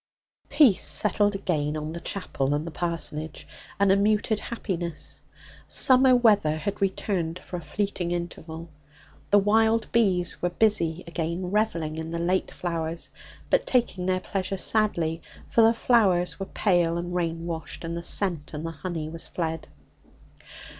Peace settled again on the chapel and parsonage, and a muted happiness. Summer weather had returned for a fleeting interval. The wild bees were busy again revelling in the late flowers, but taking their pleasure sadly; for the flowers were pale and rain washed, and the scent and the honey were fled.